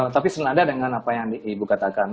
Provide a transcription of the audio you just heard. tapi senada dengan apa yang ibu katakan